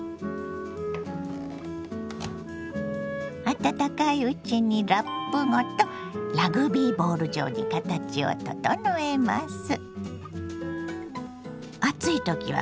温かいうちにラップごとラグビーボール状に形を整えます。